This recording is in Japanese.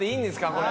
これ。